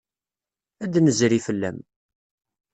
Ad d-nezri fell-am.